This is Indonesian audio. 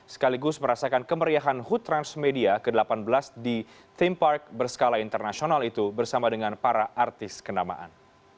sekaligus merasakan kemeriahan hood transmedia ke delapan belas di theme park berskala internasional itu bersama dengan para artis kenamaan